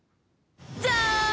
じゃーん！